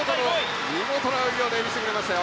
見事な泳ぎを見せてくれましたよ。